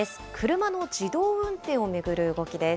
車の自動運転を巡る動きです。